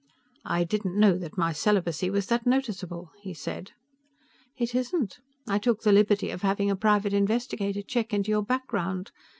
"I didn't know that my celibacy was that noticeable," he said. "It isn't. I took the liberty of having a private investigator check into your background.